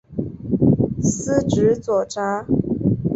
司职左闸。